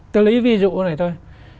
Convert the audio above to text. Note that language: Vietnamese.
tôi lấy ví dụ này thôi